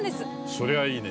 それはいいね。